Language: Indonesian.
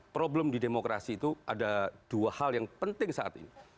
problem di demokrasi itu ada dua hal yang penting saat ini